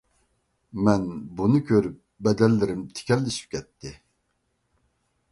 مەن بۇنى كۆرۈپ بەدەنلىرىم تىكەنلىشىپ كەتتى.